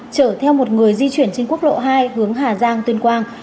chở theo một người di chuyển trên quốc lộ hai hướng hà giang tuyên quang